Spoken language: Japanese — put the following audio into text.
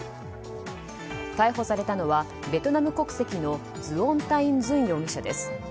逮捕されたのはベトナム国籍のズオン・タィン・ズン容疑者です。